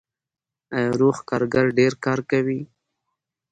آیا روغ کارګر ډیر کار کوي؟